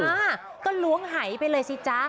อ่าก็ล้วงหายไปเลยสิจ๊ะ